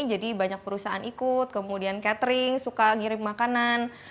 jadi banyak perusahaan ikut kemudian catering suka ngirim makanan